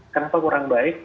kenapa kurang baik